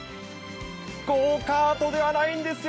ゴーカートではないんですよ。